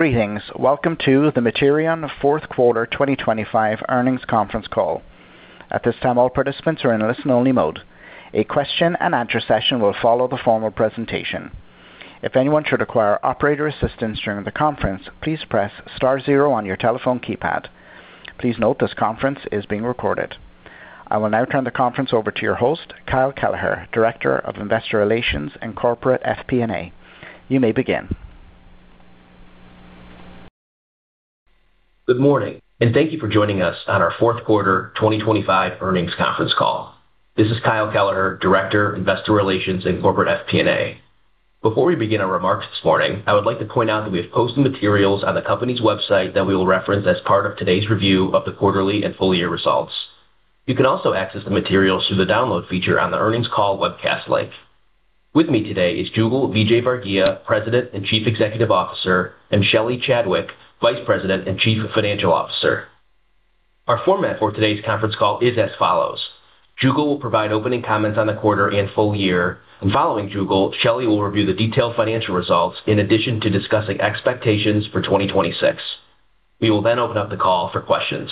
Greetings. Welcome to the Materion Fourth Quarter 2025 Earnings Conference Call. At this time, all participants are in a listen-only mode. A question-and-answer session will follow the formal presentation. If anyone should require operator assistance during the conference, please press star zero on your telephone keypad. Please note, this conference is being recorded. I will now turn the conference over to your host, Kyle Kelleher, Director of Investor Relations and Corporate FP&A. You may begin. Good morning, and thank you for joining us on our fourth quarter 2025 earnings conference call. This is Kyle Kelleher, Director, Investor Relations and Corporate FP&A. Before we begin our remarks this morning, I would like to point out that we have posted materials on the company's website that we will reference as part of today's review of the quarterly and full year results. You can also access the materials through the download feature on the earnings call webcast link. With me today is Jugal Vijayvargiya, President and Chief Executive Officer, and Shelly Chadwick, Vice President and Chief Financial Officer. Our format for today's conference call is as follows: Jugal will provide opening comments on the quarter and full year, and following Jugal, Shelly will review the detailed financial results in addition to discussing expectations for 2026. We will then open up the call for questions.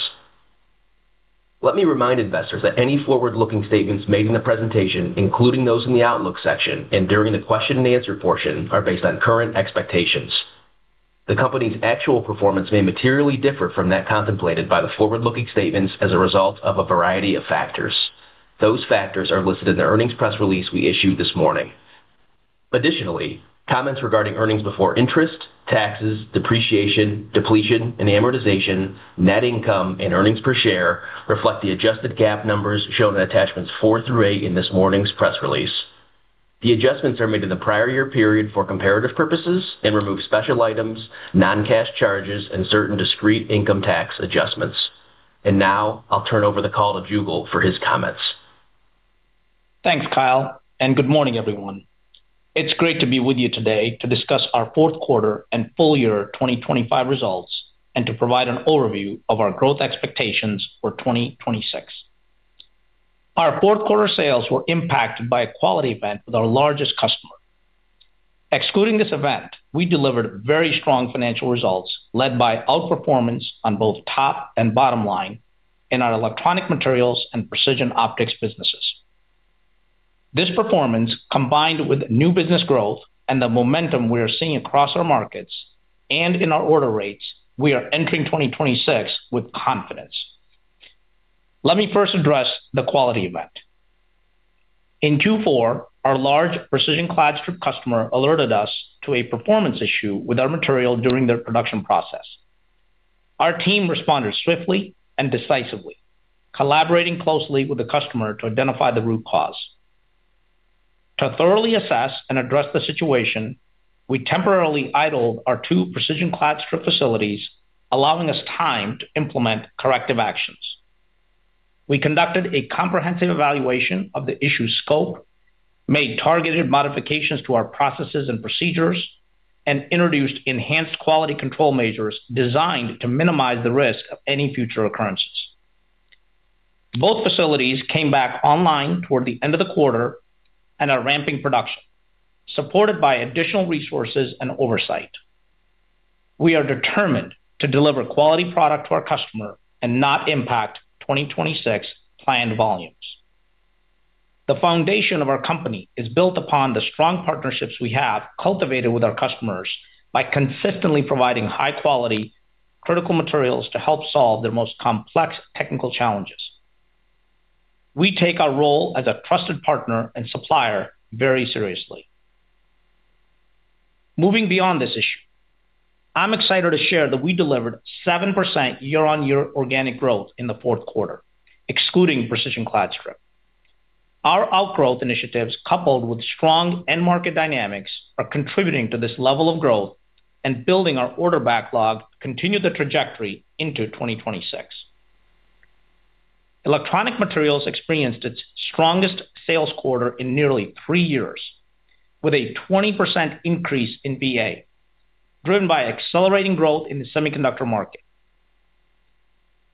Let me remind investors that any forward-looking statements made in the presentation, including those in the outlook section and during the question-and-answer portion, are based on current expectations. The company's actual performance may materially differ from that contemplated by the forward-looking statements as a result of a variety of factors. Those factors are listed in the earnings press release we issued this morning. Additionally, comments regarding earnings before interest, taxes, depreciation, depletion, and amortization, net income, and earnings per share reflect the adjusted GAAP numbers shown in attachments 4 through 8 in this morning's press release. The adjustments are made in the prior year period for comparative purposes and remove special items, non-cash charges, and certain discrete income tax adjustments. Now I'll turn over the call to Jugal for his comments. Thanks, Kyle, and good morning, everyone. It's great to be with you today to discuss our fourth quarter and full year 2025 results, and to provide an overview of our growth expectations for 2026. Our fourth quarter sales were impacted by a quality event with our largest customer. Excluding this event, we delivered very strong financial results, led by outperformance on both top and bottom line in our Electronic Materials and Precision Optics businesses. This performance, combined with new business growth and the momentum we are seeing across our markets and in our order rates, we are entering 2026 with confidence. Let me first address the quality event. In Q4, our large precision clad strip customer alerted us to a performance issue with our material during their production process. Our team responded swiftly and decisively, collaborating closely with the customer to identify the root cause. To thoroughly assess and address the situation, we temporarily idled our two precision clad strip facilities, allowing us time to implement corrective actions. We conducted a comprehensive evaluation of the issue's scope, made targeted modifications to our processes and procedures, and introduced enhanced quality control measures designed to minimize the risk of any future occurrences. Both facilities came back online toward the end of the quarter and are ramping production, supported by additional resources and oversight. We are determined to deliver quality product to our customer and not impact 2026 planned volumes. The foundation of our company is built upon the strong partnerships we have cultivated with our customers by consistently providing high-quality, critical materials to help solve their most complex technical challenges. We take our role as a trusted partner and supplier very seriously. Moving beyond this issue, I'm excited to share that we delivered 7% year-on-year organic growth in the fourth quarter, excluding precision clad strip. Our outgrowth initiatives, coupled with strong end market dynamics, are contributing to this level of growth and building our order backlog to continue the trajectory into 2026. Electronic Materials experienced its strongest sales quarter in nearly 3 years, with a 20% increase in VA, driven by accelerating growth in the semiconductor market.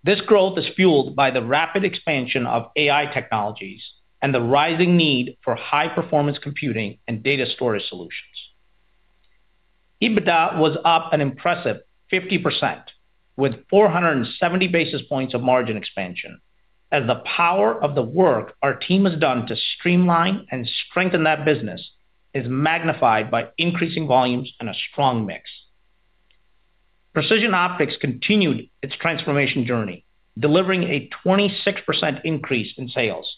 This growth is fueled by the rapid expansion of AI technologies and the rising need for high-performance computing and data storage solutions. EBITDA was up an impressive 50%, with 470 basis points of margin expansion, as the power of the work our team has done to streamline and strengthen that business is magnified by increasing volumes and a strong mix. Precision Optics continued its transformation journey, delivering a 26% increase in sales,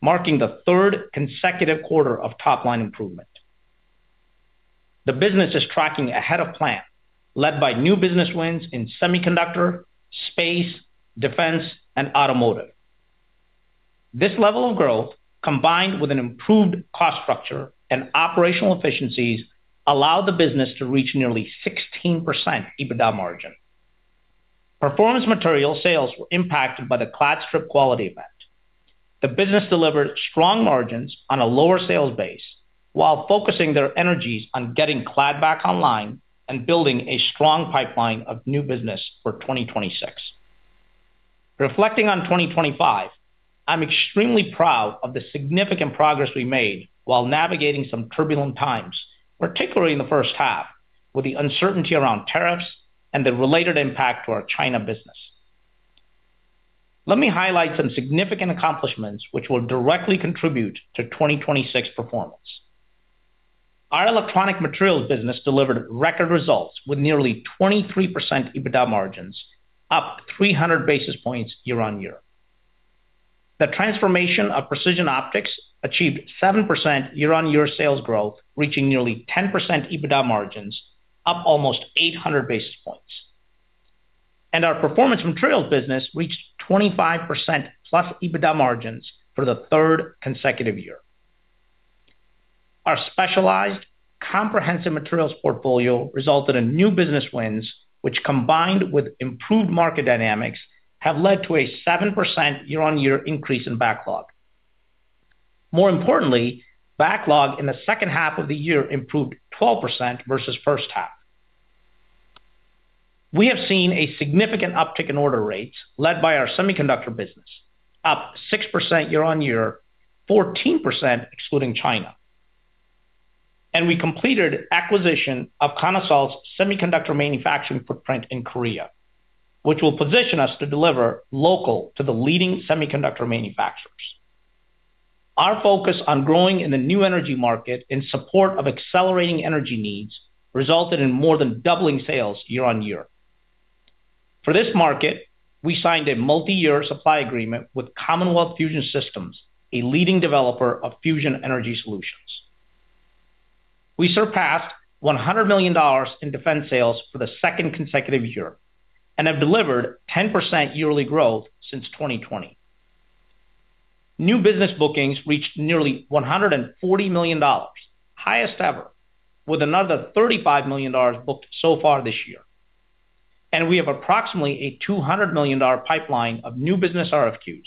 marking the third consecutive quarter of top-line improvement. The business is tracking ahead of plan, led by new business wins in semiconductor, space, defense, and automotive. This level of growth, combined with an improved cost structure and operational efficiencies, allowed the business to reach nearly 16% EBITDA margin. Performance material sales were impacted by the clad strip quality event. The business delivered strong margins on a lower sales base while focusing their energies on getting clad back online and building a strong pipeline of new business for 2026.... Reflecting on 2025, I'm extremely proud of the significant progress we made while navigating some turbulent times, particularly in the first half, with the uncertainty around tariffs and the related impact to our China business. Let me highlight some significant accomplishments which will directly contribute to 2026 performance. Our Electronic Materials business delivered record results with nearly 23% EBITDA margins, up 300 basis points year-on-year. The transformation of Precision Optics achieved 7% year-on-year sales growth, reaching nearly 10% EBITDA margins, up almost 800 basis points. And our Performance Materials business reached 25%+ EBITDA margins for the third consecutive year. Our specialized comprehensive materials portfolio resulted in new business wins, which combined with improved market dynamics, have led to a 7% year-on-year increase in backlog. More importantly, backlog in the second half of the year improved 12% versus first half. We have seen a significant uptick in order rates, led by our semiconductor business, up 6% year-on-year, 14% excluding China. We completed acquisition of Konasol's semiconductor manufacturing footprint in Korea, which will position us to deliver local to the leading semiconductor manufacturers. Our focus on growing in the new energy market in support of accelerating energy needs resulted in more than doubling sales year-on-year. For this market, we signed a multi-year supply agreement with Commonwealth Fusion Systems, a leading developer of fusion energy solutions. We surpassed $100 million in defense sales for the second consecutive year, and have delivered 10% yearly growth since 2020. New business bookings reached nearly $140 million, highest ever, with another $35 million booked so far this year. We have approximately a $200 million pipeline of new business RFQs.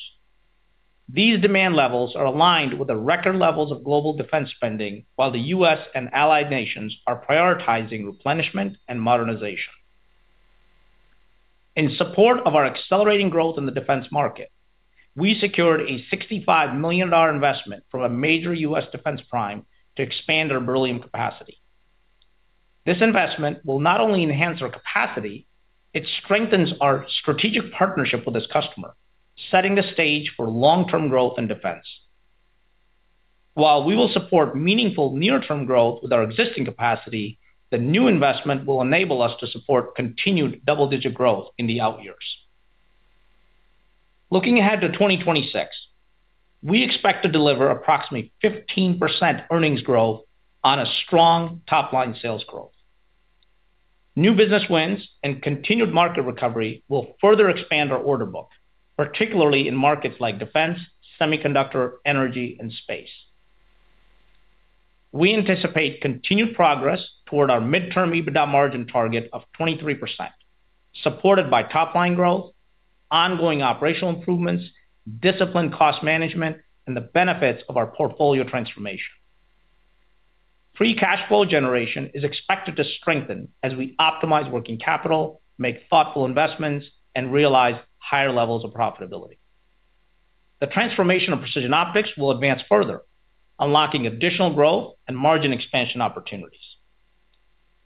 These demand levels are aligned with the record levels of global defense spending, while the U.S. and allied nations are prioritizing replenishment and modernization. In support of our accelerating growth in the defense market, we secured a $65 million investment from a major U.S. defense prime to expand our beryllium capacity. This investment will not only enhance our capacity. It strengthens our strategic partnership with this customer, setting the stage for long-term growth and defense. While we will support meaningful near-term growth with our existing capacity, the new investment will enable us to support continued double-digit growth in the out years. Looking ahead to 2026, we expect to deliver approximately 15% earnings growth on a strong top-line sales growth. New business wins and continued market recovery will further expand our order book, particularly in markets like defense, semiconductor, energy, and space. We anticipate continued progress toward our midterm EBITDA margin target of 23%, supported by top-line growth, ongoing operational improvements, disciplined cost management, and the benefits of our portfolio transformation. Free cash flow generation is expected to strengthen as we optimize working capital, make thoughtful investments, and realize higher levels of profitability. The transformation of Precision Optics will advance further, unlocking additional growth and margin expansion opportunities.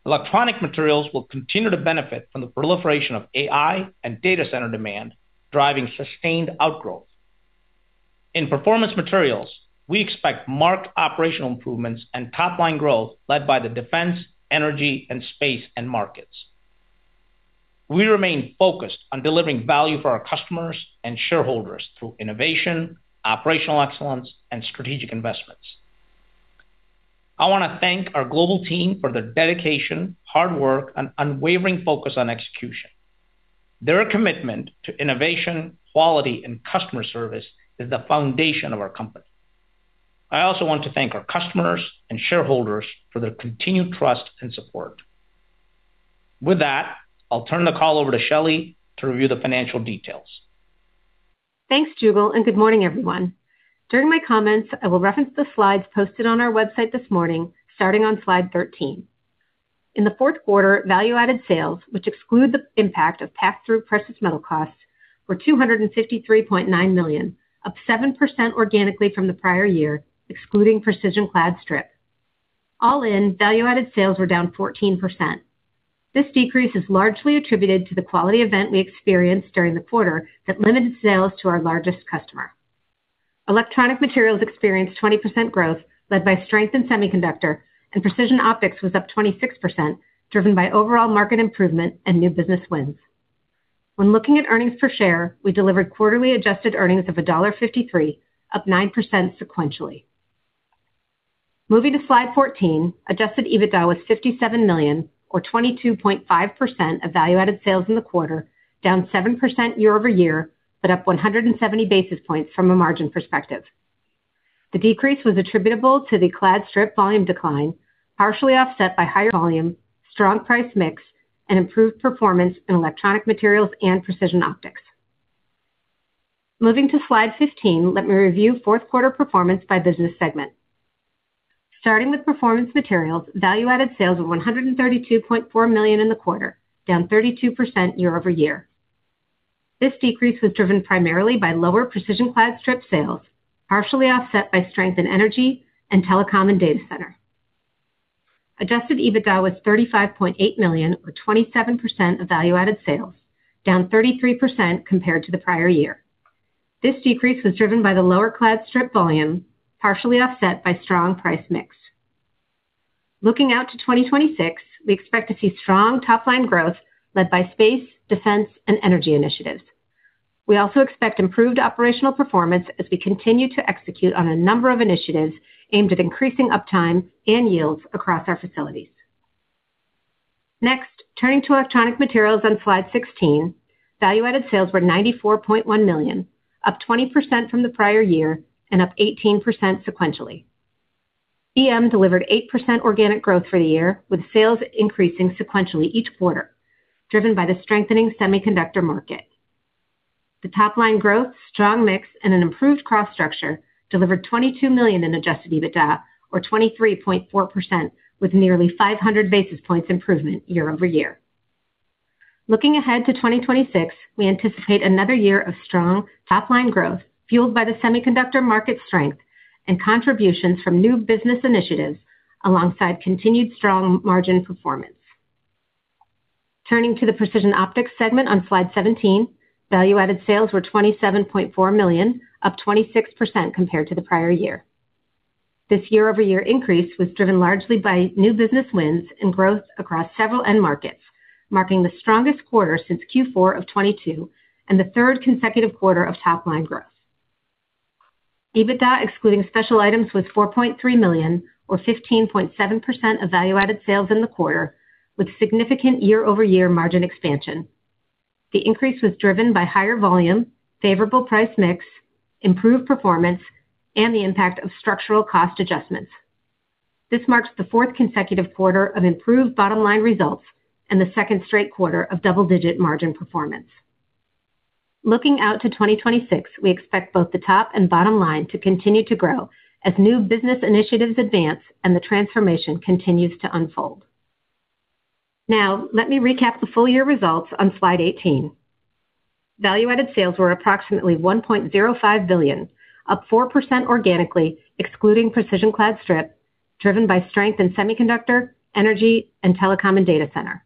Electronic Materials will continue to benefit from the proliferation of AI and data center demand, driving sustained outgrowth. In Performance Materials, we expect marked operational improvements and top-line growth led by the defense, energy, and space end markets. We remain focused on delivering value for our customers and shareholders through innovation, operational excellence, and strategic investments. I want to thank our global team for their dedication, hard work, and unwavering focus on execution. Their commitment to innovation, quality, and customer service is the foundation of our company. I also want to thank our customers and shareholders for their continued trust and support. With that, I'll turn the call over to Shelly to review the financial details. Thanks, Jugal, and good morning, everyone. During my comments, I will reference the slides posted on our website this morning, starting on slide 13. In the fourth quarter, Value-Added Sales, which exclude the impact of pass-through precious metal costs, were $253.9 million, up 7% organically from the prior year, excluding precision clad strip. All in, Value-Added Sales were down 14%. This decrease is largely attributed to the quality event we experienced during the quarter that limited sales to our largest customer. Electronic Materials experienced 20% growth, led by strength in semiconductor, and Precision Optics was up 26%, driven by overall market improvement and new business wins. When looking at earnings per share, we delivered quarterly adjusted earnings of $1.53, up 9% sequentially. Moving to slide 14, adjusted EBITDA was $57 million, or 22.5% of Value-Added Sales in the quarter, down 7% year-over-year, but up 170 basis points from a margin perspective. The decrease was attributable to the precision clad strip volume decline, partially offset by higher volume, strong price mix, and improved performance in Electronic Materials and Precision Optics. Moving to slide 15, let me review fourth quarter performance by business segment. Starting with Performance Materials, Value-Added Sales were $132.4 million in the quarter, down 32% year-over-year. This decrease was driven primarily by lower precision clad strip sales, partially offset by strength in energy and telecom and data center. Adjusted EBITDA was $35.8 million, or 27% of Value-Added Sales, down 33% compared to the prior year. This decrease was driven by the lower clad strip volume, partially offset by strong price mix. Looking out to 2026, we expect to see strong top-line growth led by space, defense, and energy initiatives. We also expect improved operational performance as we continue to execute on a number of initiatives aimed at increasing uptime and yields across our facilities. Next, turning to Electronic Materials on slide 16. Value-Added Sales were $94.1 million, up 20% from the prior year and up 18% sequentially. EM delivered 8% organic growth for the year, with sales increasing sequentially each quarter, driven by the strengthening semiconductor market. The top-line growth, strong mix, and an improved cost structure delivered $22 million in adjusted EBITDA, or 23.4%, with nearly 500 basis points improvement year-over-year. Looking ahead to 2026, we anticipate another year of strong top-line growth, fueled by the semiconductor market strength and contributions from new business initiatives, alongside continued strong margin performance. Turning to the Precision Optics segment on slide 17, value-added sales were $27.4 million, up 26% compared to the prior year. This year-over-year increase was driven largely by new business wins and growth across several end markets, marking the strongest quarter since Q4 of 2022 and the third consecutive quarter of top-line growth. EBITDA, excluding special items, was $4.3 million, or 15.7% of value-added sales in the quarter, with significant year-over-year margin expansion. The increase was driven by higher volume, favorable price mix, improved performance, and the impact of structural cost adjustments. This marks the fourth consecutive quarter of improved bottom line results and the second straight quarter of double-digit margin performance. Looking out to 2026, we expect both the top and bottom line to continue to grow as new business initiatives advance and the transformation continues to unfold. Now, let me recap the full year results on slide 18. Value-Added Sales were approximately $1.05 billion, up 4% organically, excluding precision clad strip, driven by strength in semiconductor, energy, and telecom and data center.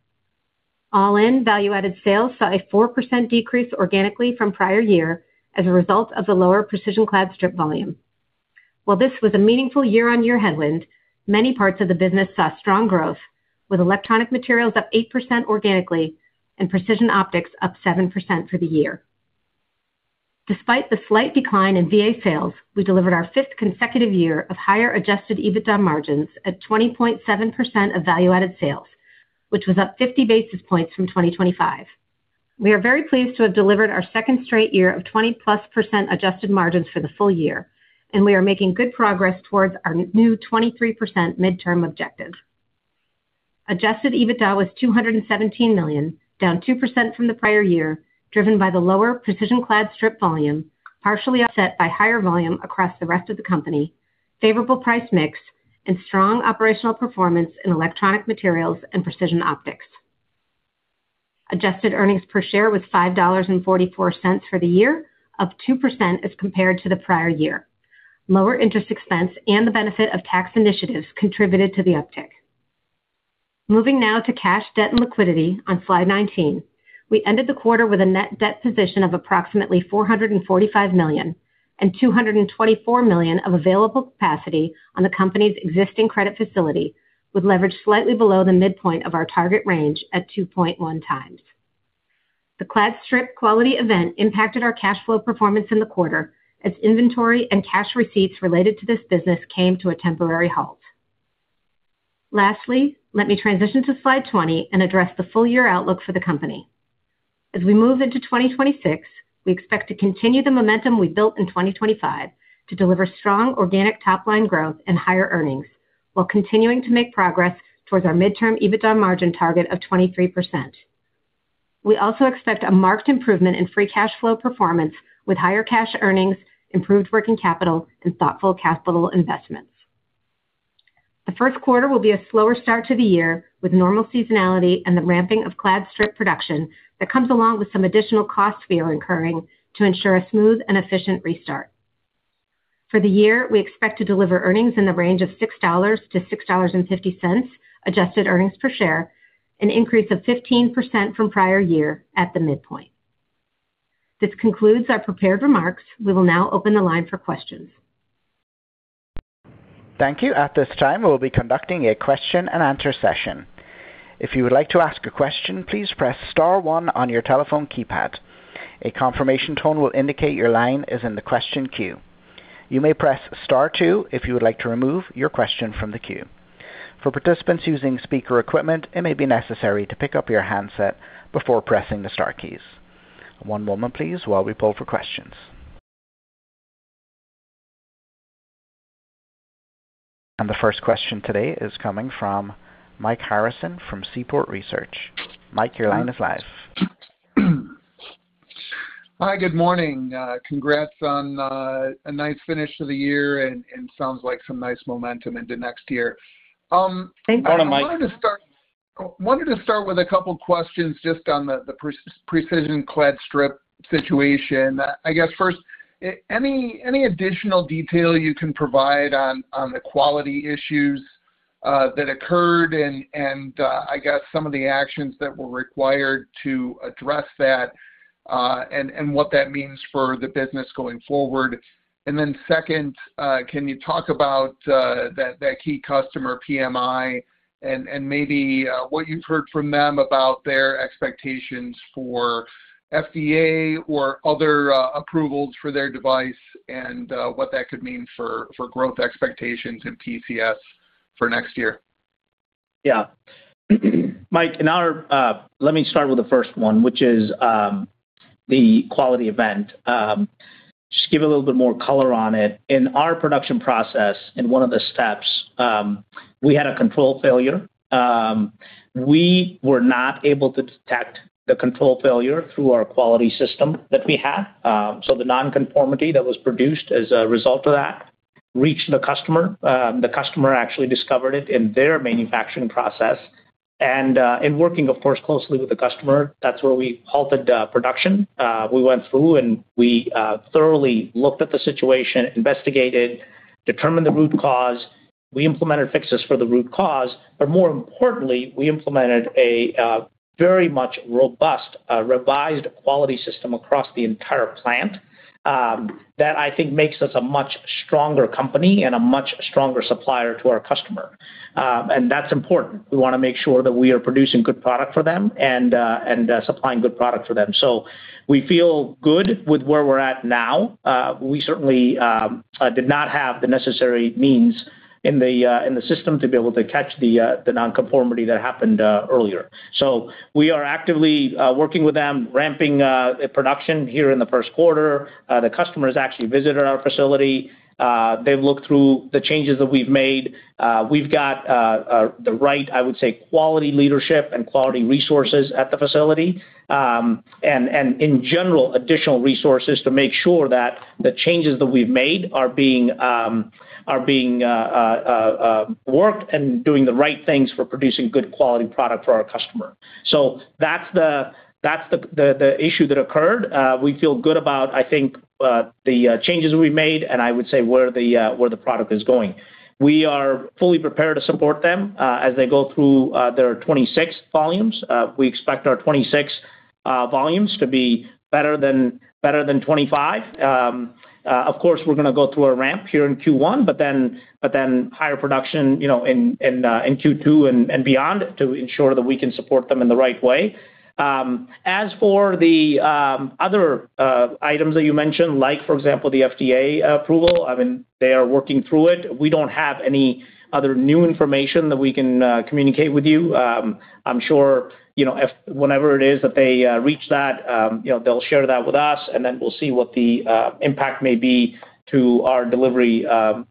All in, Value-Added Sales saw a 4% decrease organically from prior year as a result of the lower precision clad strip volume. While this was a meaningful year-on-year headwind, many parts of the business saw strong growth, with Electronic Materials up 8% organically and Precision Optics up 7% for the year. Despite the slight decline in VA sales, we delivered our fifth consecutive year of higher adjusted EBITDA margins at 20.7% of value-added sales, which was up 50 basis points from 2025. We are very pleased to have delivered our second straight year of 20%+ adjusted margins for the full year, and we are making good progress towards our new 23% midterm objective. Adjusted EBITDA was $217 million, down 2% from the prior year, driven by the lower precision clad strip volume, partially offset by higher volume across the rest of the company, favorable price mix, and strong operational performance in Electronic Materials and Precision Optics. Adjusted earnings per share was $5.44 for the year, up 2% as compared to the prior year. Lower interest expense and the benefit of tax initiatives contributed to the uptick. Moving now to cash, debt, and liquidity on slide 19. We ended the quarter with a net debt position of approximately $445 million and $224 million of available capacity on the company's existing credit facility, with leverage slightly below the midpoint of our target range at 2.1 times. The clad strip quality event impacted our cash flow performance in the quarter, as inventory and cash receipts related to this business came to a temporary halt. Lastly, let me transition to slide 20 and address the full year outlook for the company. As we move into 2026, we expect to continue the momentum we built in 2025 to deliver strong organic top-line growth and higher earnings, while continuing to make progress towards our midterm EBITDA margin target of 23%. We also expect a marked improvement in free cash flow performance with higher cash earnings, improved working capital, and thoughtful capital investments. The first quarter will be a slower start to the year, with normal seasonality and the ramping of clad strip production that comes along with some additional costs we are incurring to ensure a smooth and efficient restart. For the year, we expect to deliver earnings in the range of $6-$6.50, adjusted earnings per share, an increase of 15% from prior year at the midpoint. This concludes our prepared remarks. We will now open the line for questions. Thank you. At this time, we'll be conducting a question and answer session. If you would like to ask a question, please press star one on your telephone keypad. A confirmation tone will indicate your line is in the question queue. You may press Star two if you would like to remove your question from the queue. For participants using speaker equipment, it may be necessary to pick up your handset before pressing the star keys. One moment, please, while we pull for questions. The first question today is coming from Mike Harrison from Seaport Research Partners. Mike, your line is live.... Hi, good morning. Congrats on a nice finish to the year, and sounds like some nice momentum into next year. Thank you. I wanted to start with a couple questions just on the precision clad strip situation. I guess first, any additional detail you can provide on the quality issues that occurred and some of the actions that were required to address that and what that means for the business going forward? And then second, can you talk about that key customer, PMI, and maybe what you've heard from them about their expectations for FDA or other approvals for their device, and what that could mean for growth expectations in PCS for next year? Yeah. Mike, let me start with the first one, which is the quality event. Just give a little bit more color on it. In our production process, in one of the steps, we had a control failure. We were not able to detect the control failure through our quality system that we have. So the non-conformity that was produced as a result of that reached the customer. The customer actually discovered it in their manufacturing process. And in working, of course, closely with the customer, that's where we halted production. We went through, and we thoroughly looked at the situation, investigated, determined the root cause. We implemented fixes for the root cause, but more importantly, we implemented a very much robust revised quality system across the entire plant. That I think makes us a much stronger company and a much stronger supplier to our customer. And that's important. We wanna make sure that we are producing good product for them and supplying good product for them. So we feel good with where we're at now. We certainly did not have the necessary means in the system to be able to catch the non-conformity that happened earlier. So we are actively working with them, ramping production here in the first quarter. The customers actually visited our facility. They've looked through the changes that we've made. We've got the right, I would say, quality leadership and quality resources at the facility. In general, additional resources to make sure that the changes that we've made are being worked and doing the right things for producing good quality product for our customer. So that's the issue that occurred. We feel good about, I think, the changes we made, and I would say where the product is going. We are fully prepared to support them as they go through their 2026 volumes. We expect our 2026 volumes to be better than 2025. Of course, we're gonna go through a ramp here in Q1, but then higher production, you know, in Q2 and beyond to ensure that we can support them in the right way. As for the other items that you mentioned, like for example, the FDA approval, I mean, they are working through it. We don't have any other new information that we can communicate with you. I'm sure, you know, if whenever it is that they reach that, you know, they'll share that with us, and then we'll see what the impact may be to our delivery, you know,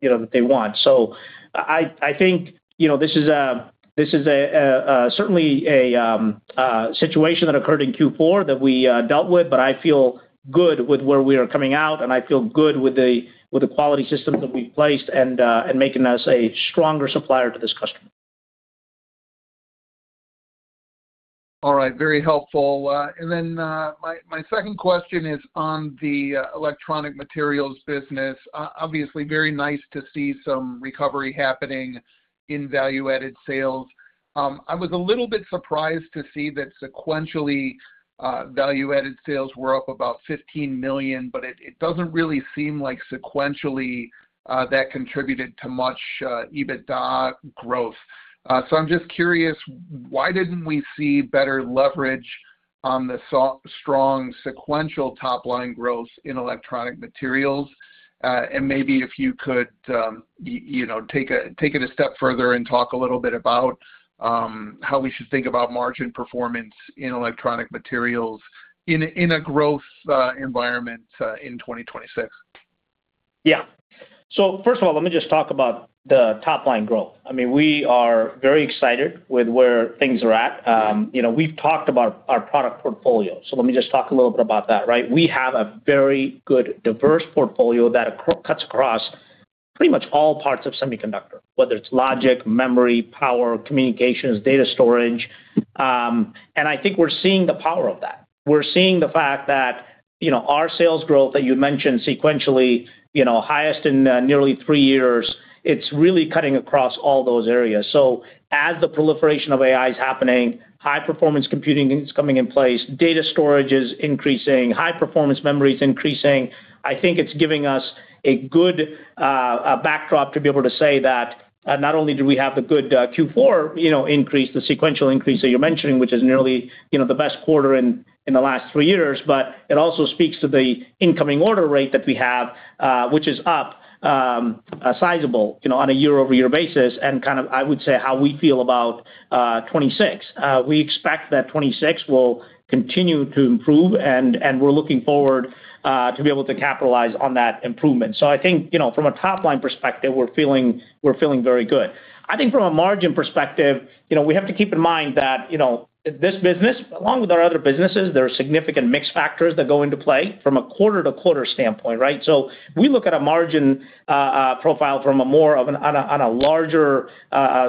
that they want. So I think, you know, this is certainly a situation that occurred in Q4 that we dealt with, but I feel good with where we are coming out, and I feel good with the quality systems that we've placed and making us a stronger supplier to this customer. All right. Very helpful. And then my second question is on the Electronic Materials business. Obviously, very nice to see some recovery happening in value-added sales. I was a little bit surprised to see that sequentially, value-added sales were up about $15 million, but it doesn't really seem like sequentially, that contributed to much EBITDA growth. So I'm just curious, why didn't we see better leverage on the strong sequential top-line growth in Electronic Materials? And maybe if you could, you know, take it a step further and talk a little bit about how we should think about margin performance in Electronic Materials in a growth environment in 2026. Yeah. So first of all, let me just talk about the top-line growth. I mean, we are very excited with where things are at. You know, we've talked about our product portfolio, so let me just talk a little bit about that, right? We have a very good diverse portfolio that cuts across pretty much all parts of semiconductor, whether it's logic, memory, power, communications, data storage. And I think we're seeing the power of that. We're seeing the fact that, you know, our sales growth that you mentioned sequentially, you know, highest in nearly three years, it's really cutting across all those areas. So as the proliferation of AI is happening, high performance computing is coming in place, data storage is increasing, high performance memory is increasing. I think it's giving us a good, backdrop to be able to say that, not only do we have the good, Q4, you know, increase, the sequential increase that you're mentioning, which is nearly, you know, the best quarter in, in the last three years, but it also speaks to the incoming order rate that we have, which is up, a sizable, you know, on a year-over-year basis, and kind of, I would say, how we feel about, 2026. We expect that 2026 will continue to improve, and, and we're looking forward, to be able to capitalize on that improvement. So I think, you know, from a top-line perspective, we're feeling, we're feeling very good. I think from a margin perspective, you know, we have to keep in mind that, you know, this business, along with our other businesses, there are significant mixed factors that go into play from a quarter-to-quarter standpoint, right? So we look at a margin profile from a more of an on a, on a larger,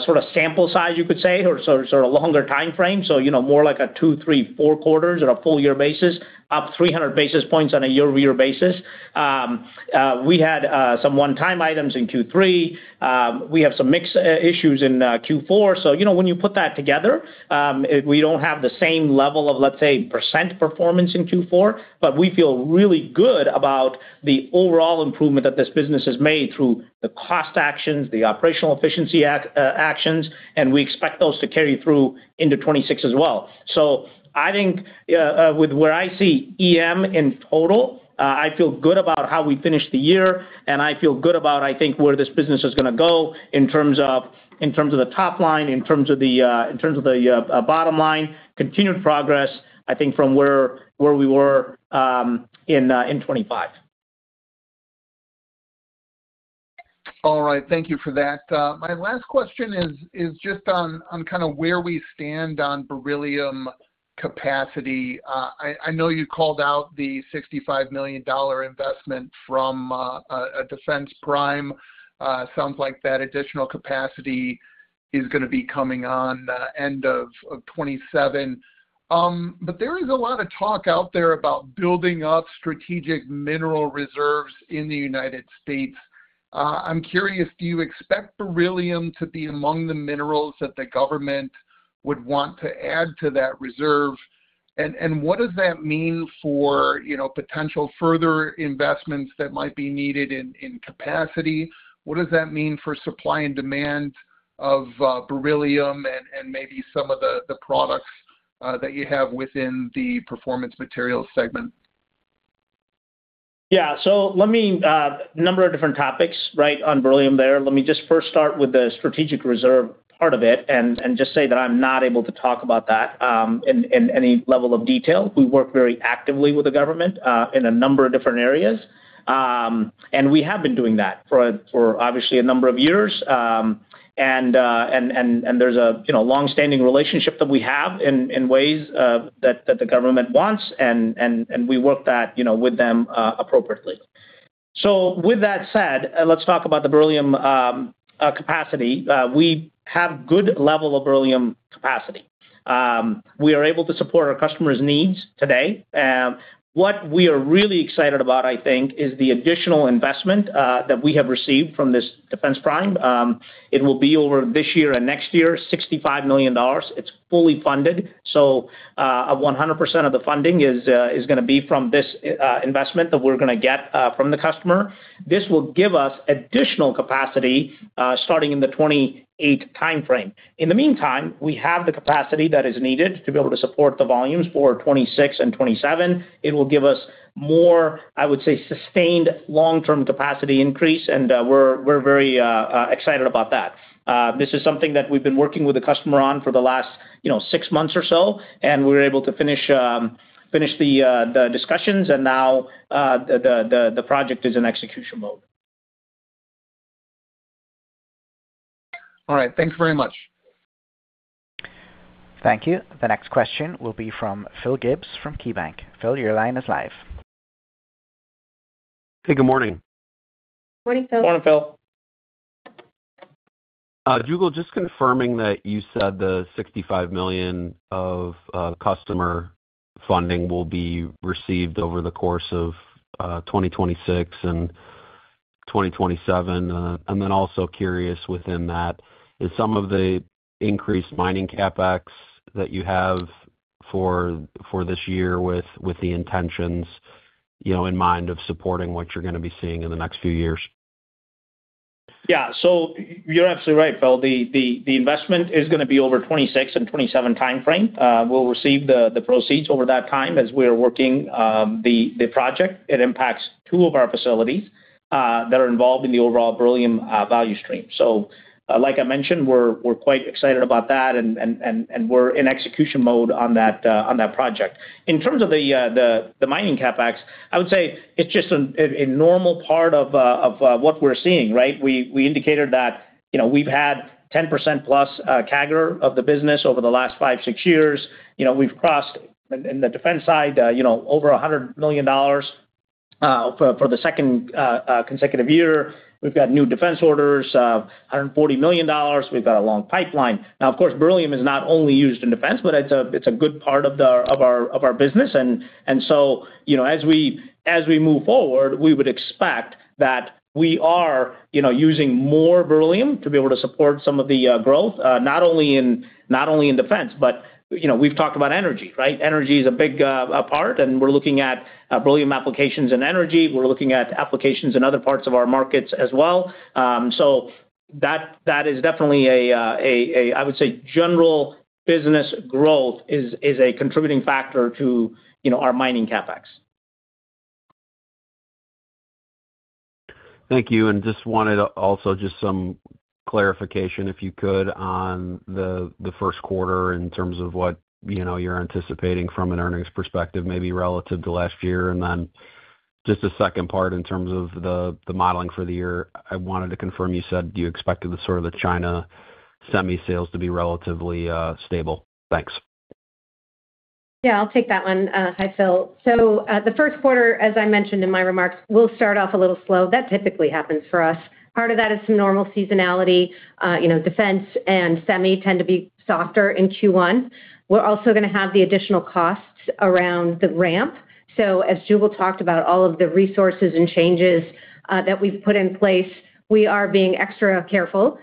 sort of sample size, you could say, or so sort of longer time frame. So, you know, more like a 2, 3, 4 quarters or a full year basis, up 300 basis points on a year-over-year basis. We had some one-time items in Q3. We have some mix issues in Q4. So, you know, when you put that together, we don't have the same level of, let's say, percent performance in Q4, but we feel really good about the overall improvement that this business has made through the cost actions, the operational efficiency actions, and we expect those to carry through into 2026 as well. So I think, with where I see EM in total, I feel good about how we finished the year, and I feel good about, I think, where this business is gonna go in terms of the bottom line. Continued progress, I think, from where we were in 2025. All right. Thank you for that. My last question is just on kind of where we stand on beryllium capacity. I know you called out the $65 million investment from a defense prime. Sounds like that additional capacity is gonna be coming on end of 2027. But there is a lot of talk out there about building up strategic mineral reserves in the United States. I'm curious, do you expect beryllium to be among the minerals that the government would want to add to that reserve? And what does that mean for, you know, potential further investments that might be needed in capacity? What does that mean for supply and demand of beryllium and maybe some of the products that you have within the Performance Materials segment? Yeah. So let me a number of different topics, right, on beryllium there. Let me just first start with the strategic reserve part of it, and just say that I'm not able to talk about that in any level of detail. We work very actively with the government in a number of different areas. And we have been doing that for obviously a number of years. And there's a, you know, long-standing relationship that we have in ways that the government wants, and we work that, you know, with them appropriately. So with that said, let's talk about the beryllium capacity. We have good level of beryllium capacity. We are able to support our customers' needs today. What we are really excited about, I think, is the additional investment that we have received from this defense prime. It will be over this year and next year, $65 million. It's fully funded, so 100% of the funding is gonna be from this investment that we're gonna get from the customer. This will give us additional capacity starting in the 2028 timeframe. In the meantime, we have the capacity that is needed to be able to support the volumes for 2026 and 2027. It will give us more, I would say, sustained long-term capacity increase, and we're very excited about that. This is something that we've been working with the customer on for the last, you know, six months or so, and we were able to finish the discussions, and now, the project is in execution mode. All right. Thank you very much. Thank you. The next question will be from Phil Gibbs from KeyBanc. Phil, your line is live. Hey, good morning. Morning, Phil. Morning, Phil. Jugal, just confirming that you said the $65 million of customer funding will be received over the course of 2026 and 2027. And then also curious within that, is some of the increased mining CapEx that you have for this year with the intentions, you know, in mind of supporting what you're gonna be seeing in the next few years? Yeah. So you're absolutely right, Phil. The investment is gonna be over 2026 and 2027 timeframe. We'll receive the proceeds over that time as we're working the project. It impacts two of our facilities that are involved in the overall beryllium value stream. So, like I mentioned, we're quite excited about that, and we're in execution mode on that project. In terms of the mining CapEx, I would say it's just a normal part of what we're seeing, right? We indicated that, you know, we've had 10%+ CAGR of the business over the last 5, 6 years. You know, we've crossed in the defense side over $100 million-... For the second consecutive year, we've got new defense orders, $140 million. We've got a long pipeline. Now, of course, beryllium is not only used in defense, but it's a good part of our business. And so, you know, as we move forward, we would expect that we are, you know, using more beryllium to be able to support some of the growth, not only in defense, but, you know, we've talked about energy, right? Energy is a big part, and we're looking at beryllium applications in energy. We're looking at applications in other parts of our markets as well. So that is definitely a, I would say, general business growth is a contributing factor to, you know, our mining CapEx. Thank you, and just wanted also just some clarification, if you could, on the first quarter in terms of what, you know, you're anticipating from an earnings perspective, maybe relative to last year. And then just a second part in terms of the modeling for the year. I wanted to confirm, you said you expected the sort of the China semi sales to be relatively stable. Thanks. Yeah, I'll take that one. Hi, Phil. So, the first quarter, as I mentioned in my remarks, we'll start off a little slow. That typically happens for us. Part of that is some normal seasonality. You know, defense and semi tend to be softer in Q1. We're also gonna have the additional costs around the ramp. So as Jugal talked about, all of the resources and changes that we've put in place, we are being extra careful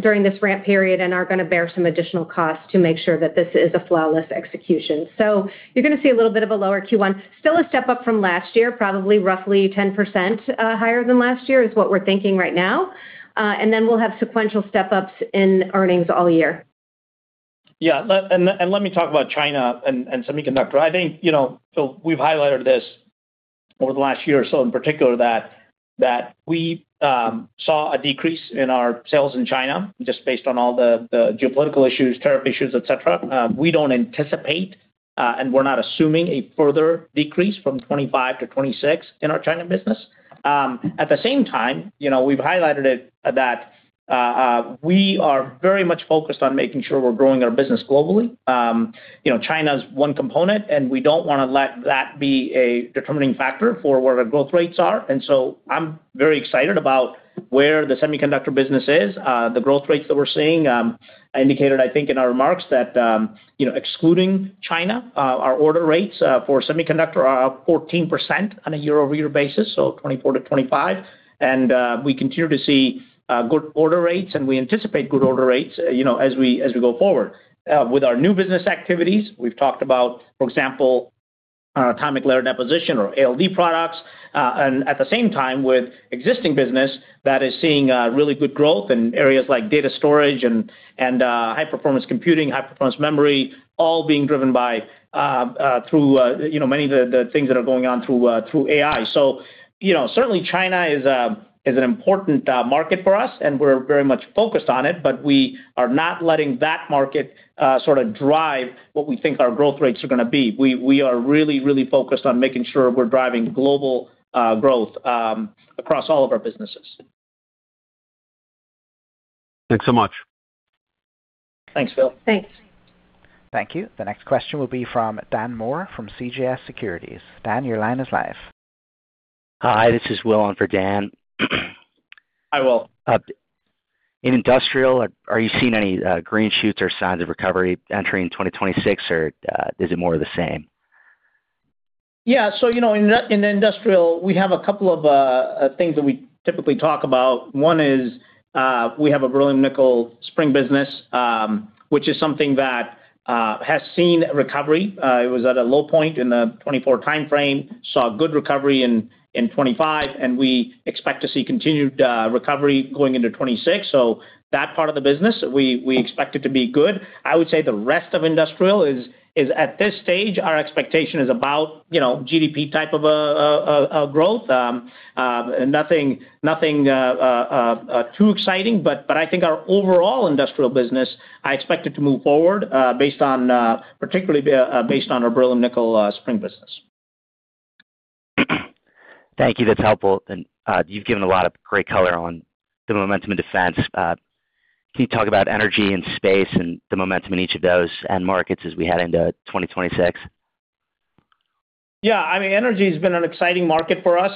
during this ramp period and are gonna bear some additional costs to make sure that this is a flawless execution. So you're gonna see a little bit of a lower Q1. Still a step up from last year, probably roughly 10%, higher than last year, is what we're thinking right now. And then we'll have sequential step-ups in earnings all year. Yeah, let me talk about China and semiconductor. I think, you know, so we've highlighted this over the last year or so, in particular, that we saw a decrease in our sales in China, just based on all the geopolitical issues, tariff issues, et cetera. We don't anticipate, and we're not assuming a further decrease from 2025 to 2026 in our China business. At the same time, you know, we've highlighted it, that we are very much focused on making sure we're growing our business globally. You know, China's one component, and we don't wanna let that be a determining factor for where our growth rates are. And so I'm very excited about where the semiconductor business is, the growth rates that we're seeing. I indicated, I think, in our remarks that, you know, excluding China, our order rates for semiconductor are up 14% on a year-over-year basis, so 24-25. And, we continue to see good order rates, and we anticipate good order rates, you know, as we, as we go forward. With our new business activities, we've talked about, for example, atomic layer deposition or ALD products, and at the same time, with existing business, that is seeing really good growth in areas like data storage and high-performance computing, high-performance memory, all being driven by, through, you know, many of the things that are going on through AI. So, you know, certainly China is an important market for us, and we're very much focused on it, but we are not letting that market sort of drive what we think our growth rates are gonna be. We are really, really focused on making sure we're driving global growth across all of our businesses. Thanks so much. Thanks, Phil. Thanks. Thank you. The next question will be from Dan Moore from CJS Securities. Dan, your line is live. Hi, this is Will in for Dan. Hi, Will. In industrial, are you seeing any green shoots or signs of recovery entering 2026, or is it more of the same? Yeah, so, you know, in industrial, we have a couple of things that we typically talk about. One is we have a beryllium nickel spring business, which is something that has seen recovery. It was at a low point in the 2024 timeframe, saw good recovery in 2025, and we expect to see continued recovery going into 2026. So that part of the business, we expect it to be good. I would say the rest of industrial is, at this stage, our expectation is about, you know, GDP type of a growth. Nothing too exciting, but I think our overall industrial business, I expect it to move forward, based on, particularly, based on our beryllium nickel spring business. Thank you. That's helpful. And, you've given a lot of great color on the momentum in defense. Can you talk about energy and space and the momentum in each of those end markets as we head into 2026? Yeah, I mean, energy has been an exciting market for us,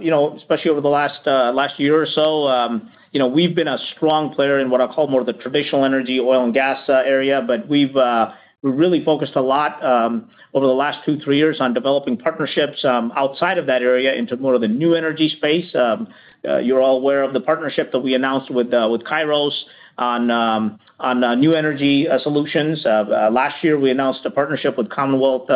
you know, especially over the last year or so. You know, we've been a strong player in what I'll call more the traditional energy, oil and gas area, but we've really focused a lot over the last two, three years on developing partnerships outside of that area into more of the new energy space. You're all aware of the partnership that we announced with Kairos on new energy solutions. Last year, we announced a partnership with Commonwealth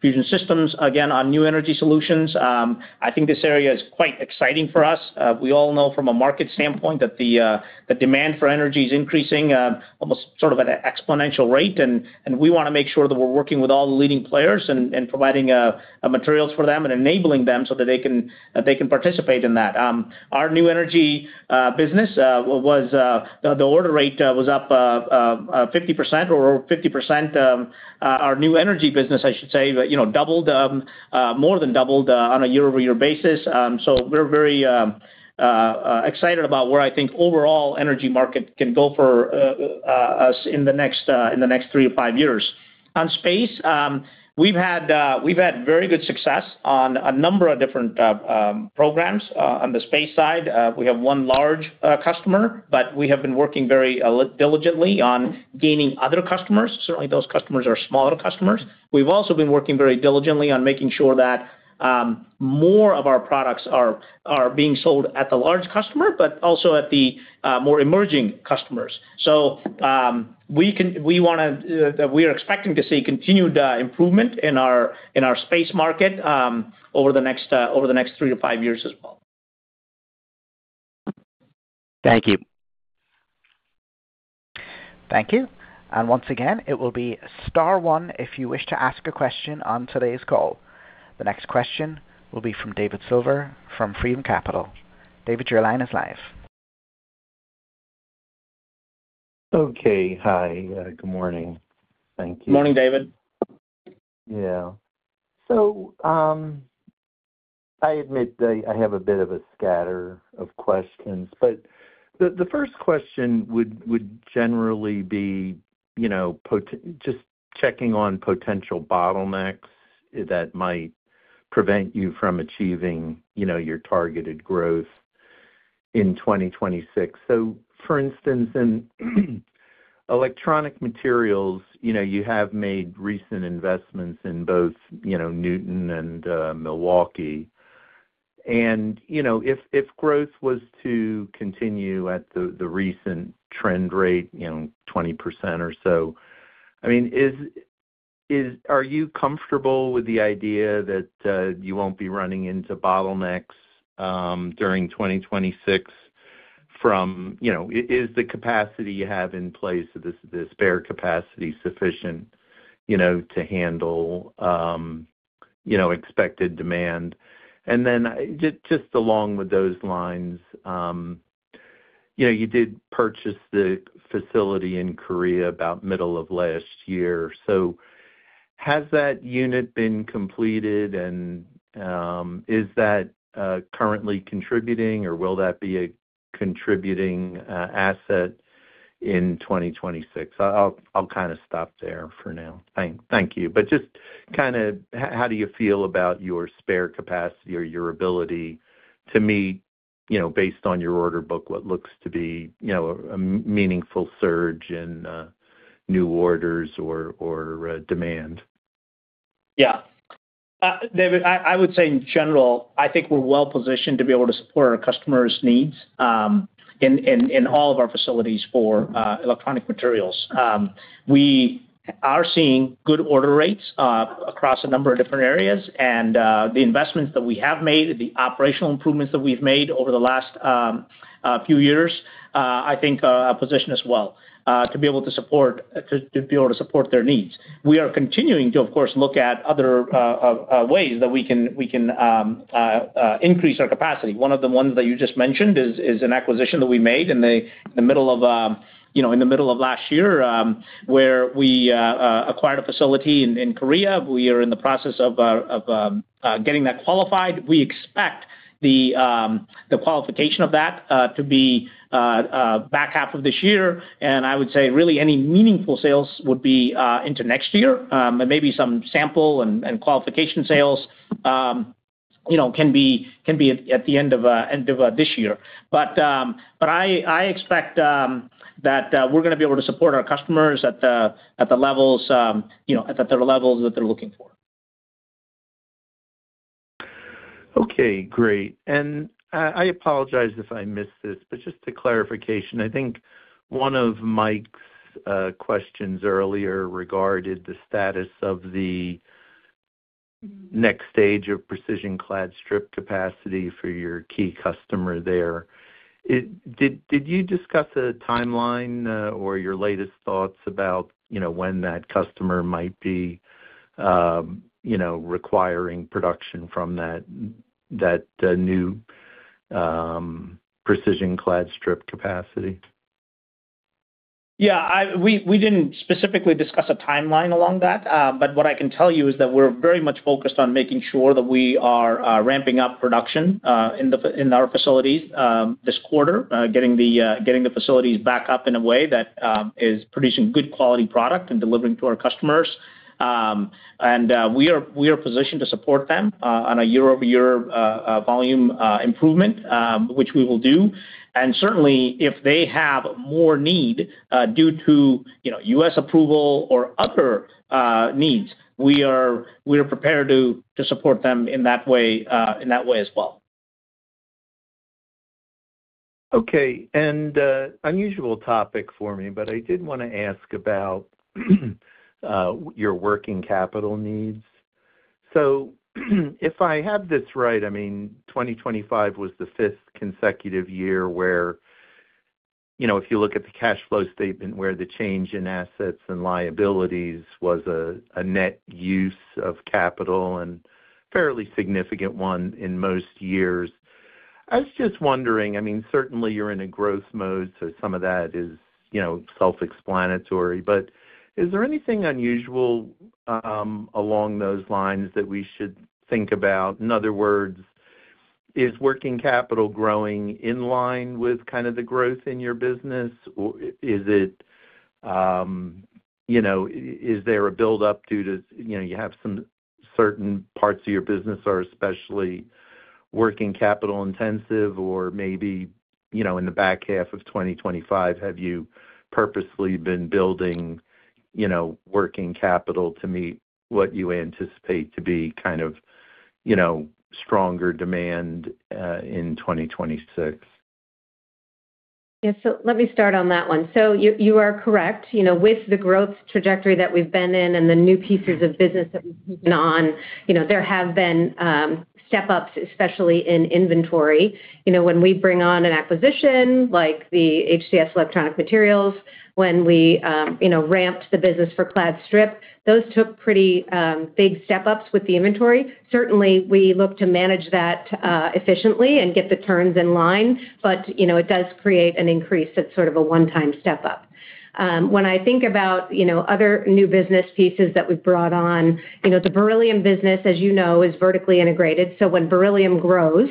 Fusion Systems, again, on new energy solutions. I think this area is quite exciting for us. We all know from a market standpoint that the demand for energy is increasing almost sort of at an exponential rate, and we wanna make sure that we're working with all the leading players and providing materials for them and enabling them so that they can participate in that. Our new energy business, the order rate was up 50% or over 50%. Our new energy business, I should say, you know, doubled more than doubled on a year-over-year basis. So we're very excited about where I think overall energy market can go for us in the next 3-5 years. On space, we've had very good success on a number of different programs. On the space side, we have one large customer, but we have been working very diligently on gaining other customers. Certainly, those customers are smaller customers. We've also been working very diligently on making sure that more of our products are being sold at the large customer, but also at the more emerging customers. So we are expecting to see continued improvement in our space market over the next 3-5 years as well. Thank you. Thank you. Once again, it will be star one if you wish to ask a question on today's call. The next question will be from David Silver, from Freedom Capital. David, your line is live. Okay. Hi, good morning. Thank you. Morning, David. Yeah. So, I admit I have a bit of a scatter of questions, but the first question would generally be, you know, just checking on potential bottlenecks that might prevent you from achieving, you know, your targeted growth in 2026. So for instance, in Electronic Materials, you know, you have made recent investments in both, you know, Newton and Milwaukee. And, you know, if growth was to continue at the recent trend rate, you know, 20% or so, I mean, is... Are you comfortable with the idea that you won't be running into bottlenecks during 2026 from, you know, is the capacity you have in place, the spare capacity sufficient, you know, to handle, you know, expected demand? And then just along with those lines, you know, you did purchase the facility in Korea about middle of last year. So has that unit been completed? And, is that, currently contributing, or will that be a contributing, asset in 2026? I'll kind of stop there for now. Thank you. But just kind of how do you feel about your spare capacity or your ability to meet, you know, based on your order book, what looks to be, you know, a meaningful surge in, new orders or, demand? Yeah. David, I would say in general, I think we're well positioned to be able to support our customers' needs in all of our facilities for Electronic Materials. We are seeing good order rates across a number of different areas, and the investments that we have made, the operational improvements that we've made over the last few years, I think position us well to be able to support their needs. We are continuing to, of course, look at other ways that we can increase our capacity. One of the ones that you just mentioned is an acquisition that we made in the middle of, you know, in the middle of last year, where we acquired a facility in Korea. We are in the process of getting that qualified. We expect the qualification of that to be back half of this year, and I would say really any meaningful sales would be into next year. But maybe some sample and qualification sales, you know, can be at the end of this year. But I expect that we're gonna be able to support our customers at the levels, you know, at the levels that they're looking for. Okay, great. And I apologize if I missed this, but just a clarification. I think one of Mike's questions earlier regarded the status of the next stage of precision clad strip capacity for your key customer there. Did you discuss a timeline or your latest thoughts about, you know, when that customer might be, you know, requiring production from that new precision clad strip capacity? Yeah, we didn't specifically discuss a timeline along that, but what I can tell you is that we're very much focused on making sure that we are ramping up production in our facilities this quarter. Getting the facilities back up in a way that is producing good quality product and delivering to our customers. And we are positioned to support them on a year-over-year volume improvement, which we will do. And certainly, if they have more need due to, you know, U.S. approval or other needs, we are prepared to support them in that way as well. Okay, and unusual topic for me, but I did wanna ask about your working capital needs. So, if I have this right, I mean, 2025 was the fifth consecutive year where, you know, if you look at the cash flow statement, where the change in assets and liabilities was a net use of capital, and fairly significant one in most years. I was just wondering, I mean, certainly you're in a growth mode, so some of that is, you know, self-explanatory, but is there anything unusual along those lines that we should think about? In other words... Is working capital growing in line with kind of the growth in your business? Or is it, you know, is there a buildup due to, you know, you have some certain parts of your business are especially working capital intensive, or maybe, you know, in the back half of 2025, have you purposely been building, you know, working capital to meet what you anticipate to be kind of, you know, stronger demand, in 2026? Yeah. So let me start on that one. So you, you are correct. You know, with the growth trajectory that we've been in and the new pieces of business that we've taken on, you know, there have been, step-ups, especially in inventory. You know, when we bring on an acquisition like the HCS Electronic Materials, when we, you know, ramped the business for clad strip, those took pretty, big step-ups with the inventory. Certainly, we look to manage that, efficiently and get the turns in line, but, you know, it does create an increase. It's sort of a one-time step-up. When I think about, you know, other new business pieces that we've brought on, you know, the beryllium business, as you know, is vertically integrated. So when beryllium grows,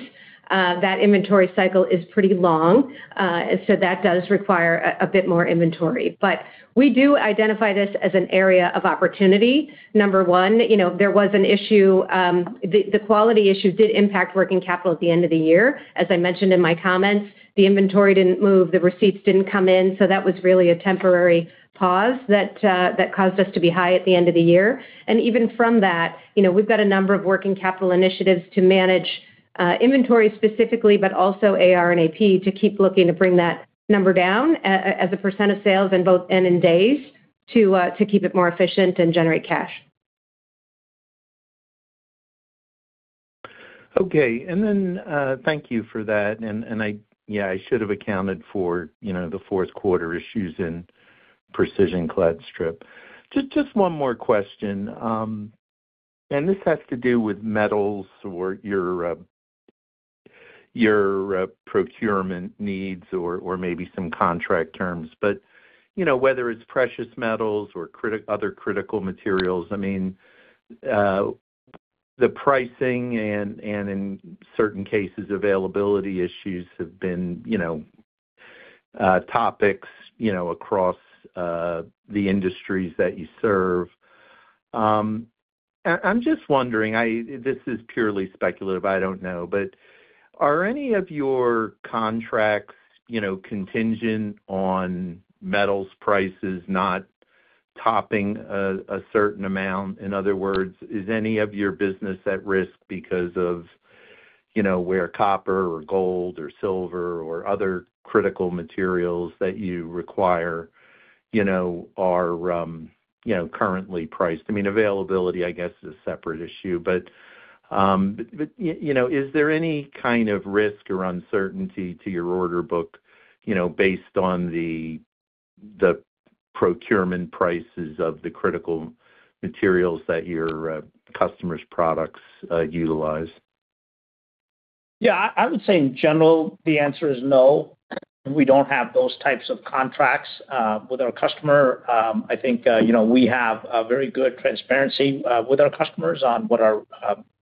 that inventory cycle is pretty long, so that does require a bit more inventory. But we do identify this as an area of opportunity. Number one, you know, there was an issue, the quality issue did impact working capital at the end of the year. As I mentioned in my comments, the inventory didn't move, the receipts didn't come in, so that was really a temporary pause that caused us to be high at the end of the year. And even from that, you know, we've got a number of working capital initiatives to manage inventory specifically, but also AR and AP, to keep looking to bring that number down as a percent of sales and both, and in days, to keep it more efficient and generate cash. Okay. And then, thank you for that. And I, yeah, I should have accounted for, you know, the fourth quarter issues in precision clad strip. Just one more question, and this has to do with metals or your, your procurement needs or maybe some contract terms. But, you know, whether it's precious metals or other critical materials, I mean, the pricing and in certain cases, availability issues have been, you know, topics, you know, across the industries that you serve. I'm just wondering. This is purely speculative. I don't know, but are any of your contracts, you know, contingent on metals prices not topping a certain amount? In other words, is any of your business at risk because of, you know, where copper or gold or silver or other critical materials that you require, you know, are, you know, is there any kind of risk or uncertainty to your order book, you know, based on the procurement prices of the critical materials that your customers' products utilize? Yeah, I would say in general, the answer is no. We don't have those types of contracts with our customer. I think, you know, we have a very good transparency with our customers on what our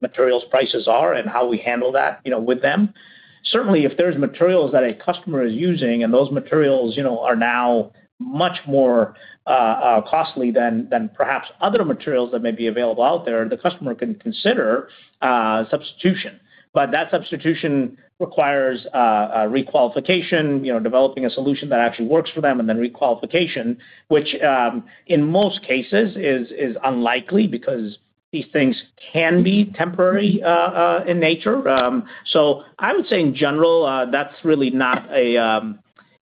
materials prices are and how we handle that, you know, with them. Certainly, if there's materials that a customer is using, and those materials, you know, are now much more costly than perhaps other materials that may be available out there, the customer can consider substitution. But that substitution requires a requalification, you know, developing a solution that actually works for them, and then requalification, which in most cases is unlikely because these things can be temporary in nature. I would say in general, that's really not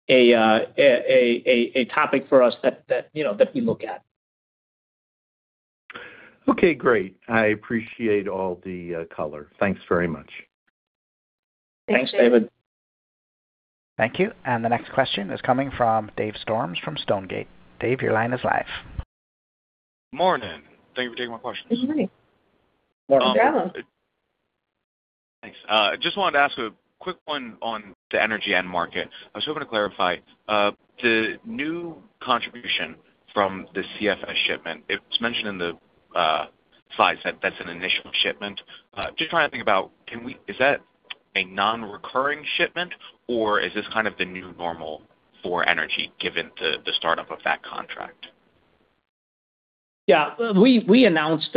a topic for us that you know that we look at. Okay, great. I appreciate all the color. Thanks very much. Thanks. Thanks, David. Thank you. The next question is coming from Dave Storms from Stonegate. Dave, your line is live. Morning. Thank you for taking my questions. Good morning. Morning, Dave. Thanks. Just wanted to ask a quick one on the energy end market. I was hoping to clarify the new contribution from the CFS shipment. It was mentioned in the slides that that's an initial shipment. Just trying to think about, can we-- is that a nonrecurring shipment, or is this kind of the new normal for energy, given the startup of that contract? Yeah. We announced,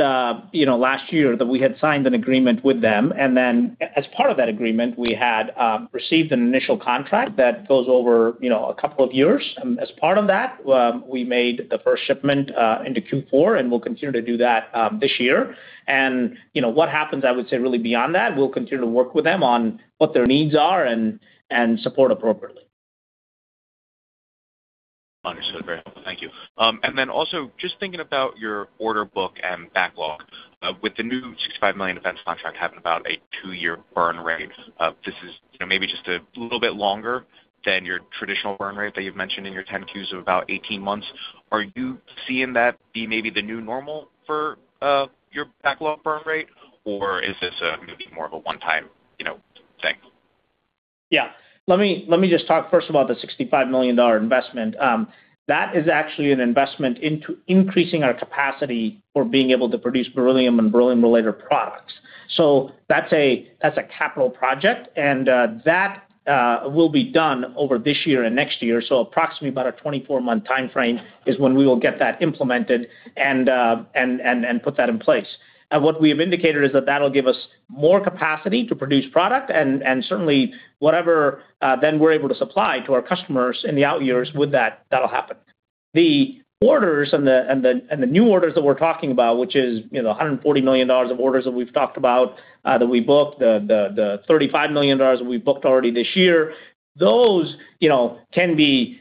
you know, last year that we had signed an agreement with them, and then as part of that agreement, we had received an initial contract that goes over, you know, a couple of years. And as part of that, we made the first shipment into Q4, and we'll continue to do that this year. And, you know, what happens, I would say, really beyond that, we'll continue to work with them on what their needs are and support appropriately. Understood. Very helpful. Thank you. And then also just thinking about your order book and backlog. With the new $65 million defense contract having about a two-year burn rate, this is, you know, maybe just a little bit longer than your traditional burn rate that you've mentioned in your 10-Qs of about 18 months. Are you seeing that be maybe the new normal for your backlog burn rate, or is this maybe more of a one-time, you know, thing?... Yeah, let me, let me just talk first about the $65 million investment. That is actually an investment into increasing our capacity for being able to produce beryllium and beryllium-related products. So that's a, that's a capital project, and that will be done over this year and next year. So approximately about a 24-month time frame is when we will get that implemented and, and, and put that in place. And what we have indicated is that that'll give us more capacity to produce product, and, and certainly whatever, then we're able to supply to our customers in the out years with that, that'll happen. The orders and the new orders that we're talking about, which is, you know, $140 million of orders that we've talked about, that we booked, the $35 million that we booked already this year. Those, you know, can be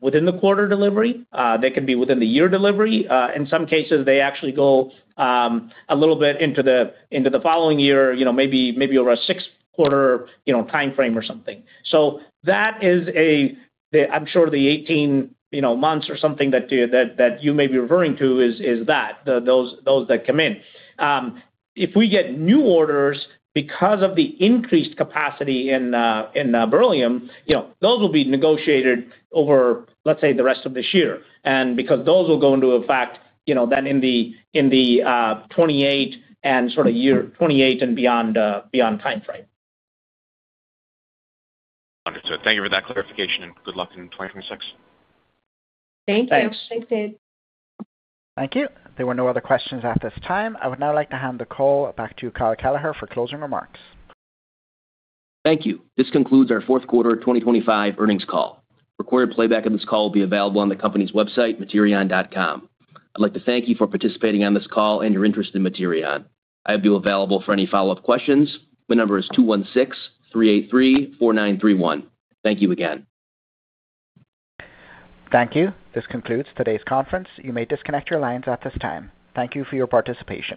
within the quarter delivery, they can be within the year delivery. In some cases, they actually go a little bit into the following year, you know, maybe over a six-quarter, you know, time frame or something. So that is, I'm sure the 18, you know, months or something that you may be referring to is that, those that come in. If we get new orders because of the increased capacity in beryllium, you know, those will be negotiated over, let's say, the rest of this year. And because those will go into effect, you know, then in the 2028 and sort of year 2028 and beyond, beyond time frame. Understood. Thank you for that clarification, and good luck in 2026. Thank you. Thanks, Dave. Thank you. There were no other questions at this time. I would now like to hand the call back to Kyle Kelleher for closing remarks. Thank you. This concludes our fourth quarter 2025 earnings call. Recorded playback of this call will be available on the company's website, materion.com. I'd like to thank you for participating on this call and your interest in Materion. I have you available for any follow-up questions. The number is 216-3834-931. Thank you again. Thank you. This concludes today's conference. You may disconnect your lines at this time. Thank you for your participation.